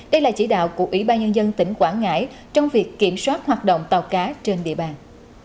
đây là chỉ đạo của ủy ban nhân dân tỉnh quảng ngãi trong việc kiểm soát hoạt động tàu cá trên địa bàn